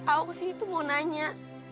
aku kesini tuh mau nanya